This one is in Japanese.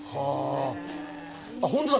本当だ！